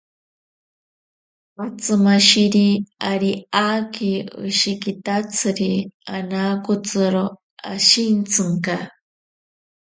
Atsimashiri ari aaki oshekitatsiri anakotsiro ashintsinka.